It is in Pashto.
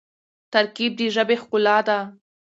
ترکیب د ژبي ښکلا ده.